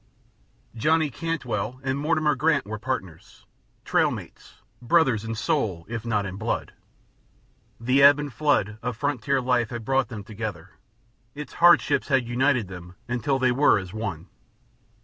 Johnny Cantwell and Mortimer Grant were partners, trail mates, brothers in soul if not in blood. The ebb and flood of frontier life had brought them together, its hardships had united them until they were as one.